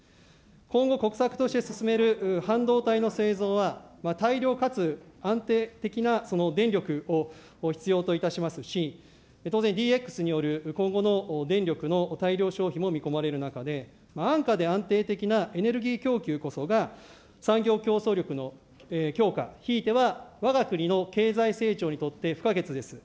今後、国策として進める半導体の製造は、大量かつ安定的な電力を必要といたしますし、当然、ＤＸによる今後の電力の大量消費も見込まれる中で、安価で安定的なエネルギー供給こそが、産業競争力の強化、ひいてはわが国の経済成長にとって不可欠です。